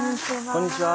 こんにちは。